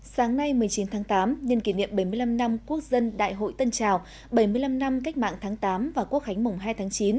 sáng nay một mươi chín tháng tám nhân kỷ niệm bảy mươi năm năm quốc dân đại hội tân trào bảy mươi năm năm cách mạng tháng tám và quốc khánh mùng hai tháng chín